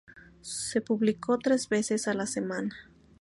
Se publicó tres veces a la semana.